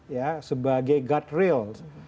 ya sebagai guardrail